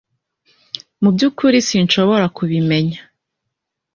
Mu byukuri sinshobora kubimenya